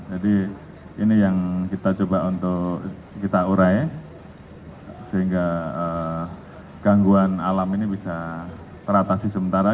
jadi ini yang kita coba untuk kita urai sehingga gangguan alam ini bisa teratasi sementara